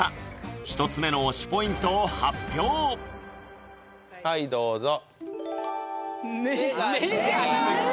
１つ目の推しポイントを発表はいどうぞ「目が好き」？